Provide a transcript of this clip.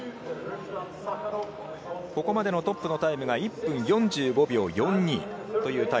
ここまでのトップのタイムが１分４５秒４２。